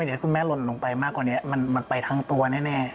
เดี๋ยวคุณแม่หล่นลงไปมากกว่านี้มันไปทั้งตัวแน่